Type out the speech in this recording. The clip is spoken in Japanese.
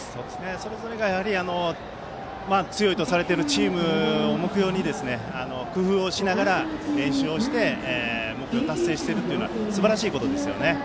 それぞれが強いとされているチームを目標に工夫をしながら練習をして目標を達成しているのはすばらしいことですね。